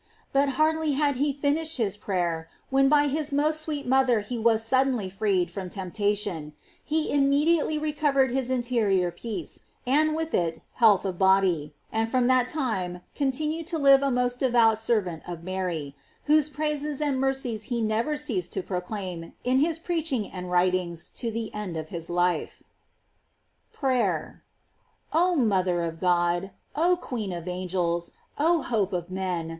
But hardly had he finished his prayer, when by his most sweet mother he was suddenly freed from temp tation ; he immediately recovered his interior peace, and with it health of body, and from that time continued to live a most devout servant of Mary, whose praises and mercies he never ceased to proclaim in his preaching and his writings to the end of his life. PRAYER. Oh mother of God! oh queen of angels! oh hope of men!